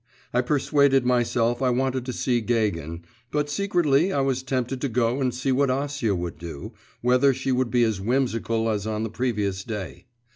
I persuaded myself I wanted to see Gagin, but secretly I was tempted to go and see what Acia would do, whether she would be as whimsical as on the previous day.